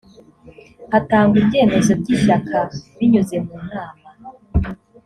hatangwa ibyemezo by ishyaka binyuze mu nama